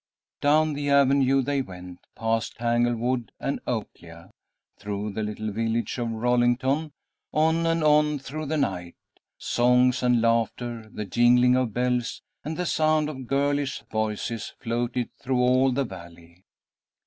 Down the avenue they went, past Tanglewood and Oaklea, through the little village of Rollington, on and on through the night. Songs and laughter, the jingling of bells and the sound of girlish voices floated through all the valley.